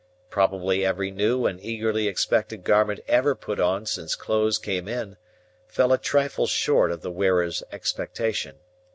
Probably every new and eagerly expected garment ever put on since clothes came in, fell a trifle short of the wearer's expectation.